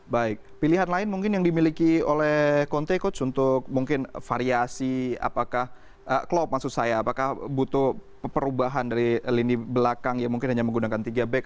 baik pilihan lain mungkin yang dimiliki oleh contai coach untuk mungkin variasi apakah klop maksud saya apakah butuh perubahan dari lini belakang yang mungkin hanya menggunakan tiga back